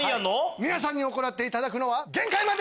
皆さんに行っていただくのは。